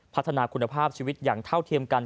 พัฒนาคุณภาพชีวิตอย่างเท่าเทียมกัน